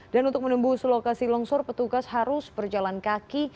dan untuk menembus lokasi longsor petugas harus berjalan kaki